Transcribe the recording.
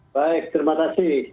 baik terima kasih